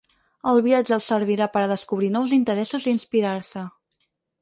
El viatge els servirà per a descobrir nous interessos i inspirar-se.